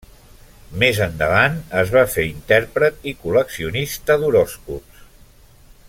Més endavant es va fer intèrpret i col·leccionista d'horòscops.